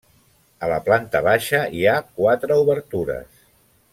A la planta baixa hi ha quatre obertures.